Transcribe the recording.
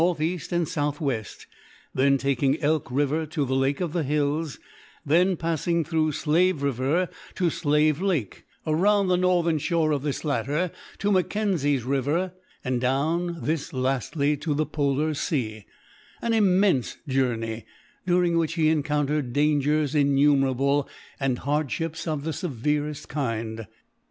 E. and S. W. — then taking Elk river to the Lake of the Hills — then passing through Slave river to Slave Lake — around the northern shore of this latter to Mackenzie's river, and down this, lastly, to the Polar Sea — an immense journey, during which he encountered dangers innumerable, and hardships of the severest kind.